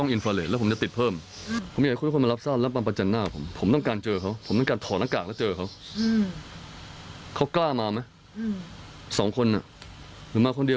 อืมมาสิแล้วเรามาคุยกันดี